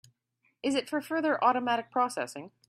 Is it for further automatic processing?